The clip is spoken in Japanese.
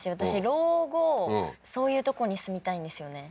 老後そういうとこに住みたいんですよね